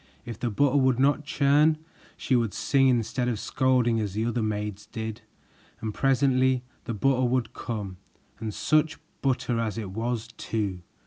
If the butter would not churn, she would sing instead of scolding as the other maids did, and presently the butter would come, and such butter as it was too!